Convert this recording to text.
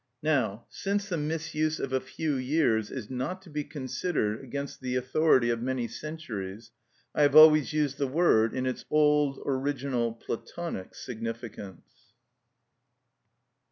Now, since the misuse of a few years is not to be considered against the authority of many centuries, I have always used the word in its old, original, Platonic significance.